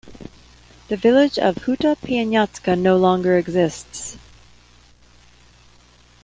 The village of Huta Pieniacka no longer exists.